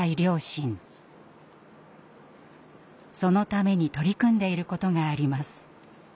そのために取り組んでいることがあります。